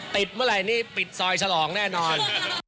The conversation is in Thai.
ติดเมื่อไรนี่ปิดซอยสลองแน่นอน